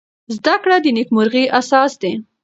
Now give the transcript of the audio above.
زده کړه د نېکمرغۍ اساس دی.